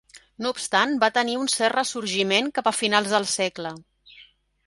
No obstant va tenir un cert ressorgiment cap a finals del segle.